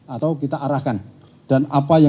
atau kita arahkan